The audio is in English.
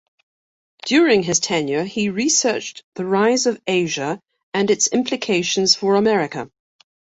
During his tenure he researched the rise of Asia and its implications for America.